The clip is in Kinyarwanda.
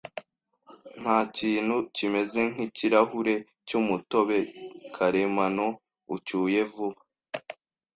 Ntakintu kimeze nkikirahure cyumutobe karemano, ucyuye vuba.